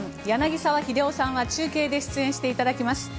柳澤秀夫さんは中継で出演していただきます。